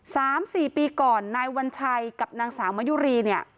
สามสี่ปีก่อนนายวัญชัยกับนางสาวมะยุรีเนี่ย